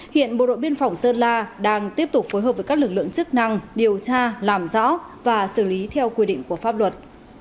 hiện bộ đội biên phòng sơn la đang tiếp tục phối hợp với các lực lượng chức năng điều tra làm rõ và xử lý theo quy định của pháp luật